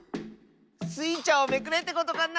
スイちゃんをめくれってことかな